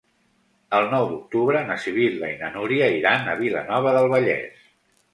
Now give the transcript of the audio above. El nou d'octubre na Sibil·la i na Núria iran a Vilanova del Vallès.